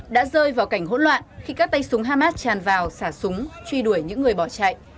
đã rơi vào cảnh hỗn loạn khi các tay súng hamas tràn vào xả súng truy đuổi những người bỏ chạy